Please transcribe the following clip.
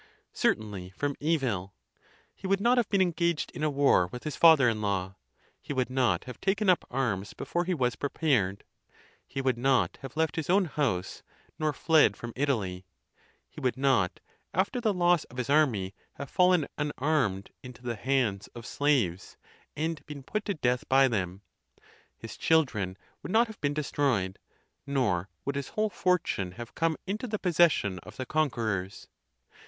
Certainly from evil. He would not have been engaged in a war with his father in law ;* he would not have taken up arms before he was prepared; he would not have left his own house, nor fled from Italy; he would not, after the loss of his army, have fallen unarmed into the hands of slaves, and been put to death by them; his children would not have been destroyed; nor would his whole fortune have come into the possession of the conquerors.